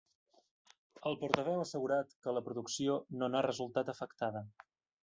El portaveu ha assegurat que la producció no n’ha resultat afectada.